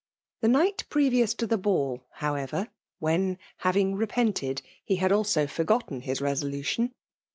The night previous to the ball, howeveti w^^n, having repented^he had also forgotten his violation.